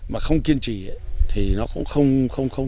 mà không kiên trì thì nó cũng không